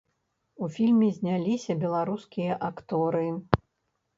У фільме зняліся беларускія акторы.